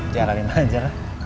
jalanin aja lah